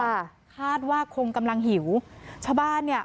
ค่ะคาดว่าคงกำลังหิวชาวบ้านเนี่ย